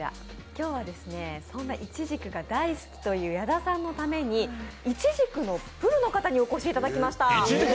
今日はそんなイチジクが大好きという矢田さんのためにイチジクのプロの方にお越しいただきました。